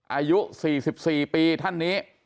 อายุ๔๔ปีท่านนี้